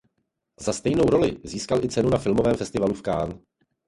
Za stejnou roli získal i cenu na filmovém festivalu v Cannes.